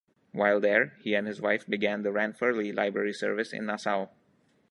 While there, he and his wife began the Ranfurly Library Service in Nassau.